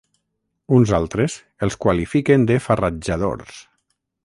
Uns altres els qualifiquen de farratjadors.